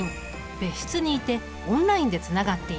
別室にいてオンラインでつながっている。